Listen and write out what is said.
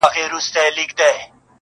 وهر يو رگ ته يې د ميني کليمه وښايه